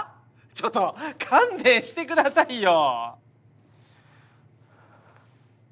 ちょっと勘弁してくださいよ！